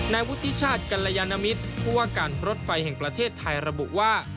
นายวุฒิชาติกัลยานมิตรผู้ว่าการรถไฟแห่งประเทศไทยระบุว่า